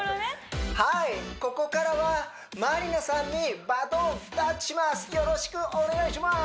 はーいここからはまりなさんにバトンタッチします